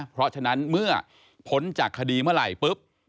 เพราะฉะนั้นเมื่อพ้นจากคดีเมื่อไหร่ปุ๊บ